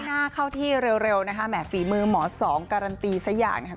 ที่๕เข้าที่เร็วแหม่ฝีมือหมอ๒การันตีซะอย่าง